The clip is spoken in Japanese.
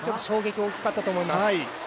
衝撃が大きかったと思います。